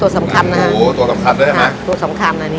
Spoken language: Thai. ตัวสำคัญนะ